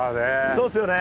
そうっすよね。